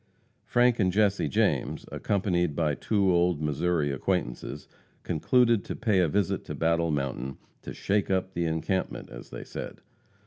Frank and Jesse James, accompanied by two old Missouri acquaintances, concluded to pay a visit to Battle Mountain, "to shake up the encampment," as they said.